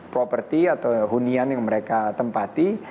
properti atau hunian yang mereka tempati